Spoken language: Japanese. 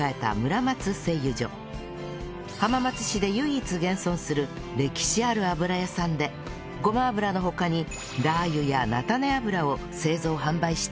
浜松市で唯一現存する歴史ある油屋さんでごま油の他にラー油や菜種油を製造・販売しているんです